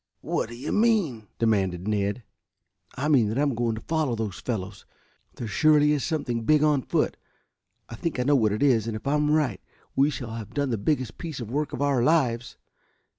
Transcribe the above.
"What do you mean?" demanded Ned. "I mean that I am going to follow those fellows. There surely is something big on foot. I think I know what it is, and if I am right we shall have done the biggest piece of work of our lives."